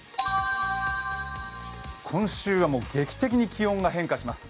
今週は劇的に気温が変化します。